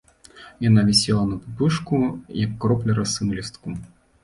Яна вісела на пупышку, як кропля расы на лістку.